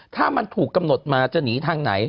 ถ้ามันถูกกำหนดมาจะหนีทางไหน